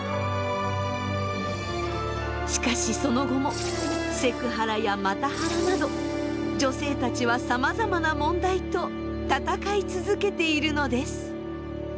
しかしその後もセクハラやマタハラなど女性たちはさまざまな問題と闘い続けているのです。